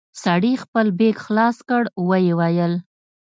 سړي خپل بېګ خلاص کړ ويې ويل.